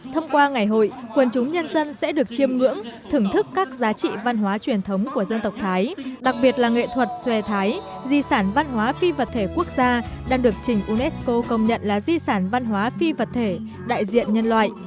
thông qua ngày hội quần chúng nhân dân sẽ được chiêm ngưỡng thưởng thức các giá trị văn hóa truyền thống của dân tộc thái đặc biệt là nghệ thuật xòe thái di sản văn hóa phi vật thể quốc gia đang được trình unesco công nhận là di sản văn hóa phi vật thể đại diện nhân loại